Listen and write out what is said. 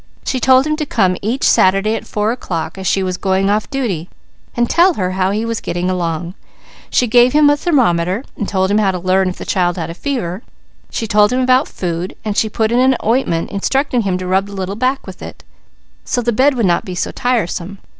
She told him to come each Saturday at four o'clock, as she was going off duty, and tell her how he was getting along. She gave him a thermometer, and told him how to learn if the child had fever. She told him about food, and she put in an ointment, instructing him to rub the little back with it, so the bed would not be so tiresome.